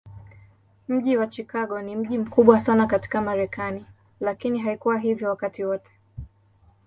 Mji wa Chicago ni mji mkubwa sana katika Marekani, lakini haikuwa hivyo wakati wote.